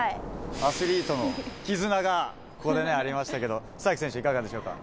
アスリートの絆がここでありましたけど、須崎選手、いかがでしょうか。